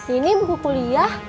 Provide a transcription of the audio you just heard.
ini buku kuliah